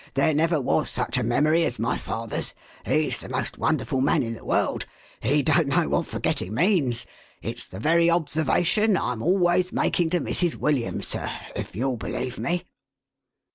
There never was such a memory as my father's. He's the most wonderful man in the world. He don't know what forgetting means. It's the very observation I'm always making to Mi's. William, sir, if you'll believe me